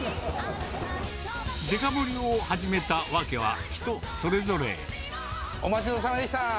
デカ盛りを始めたわけは、お待ちどおさまでした。